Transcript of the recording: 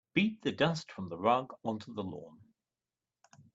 Beat the dust from the rug onto the lawn.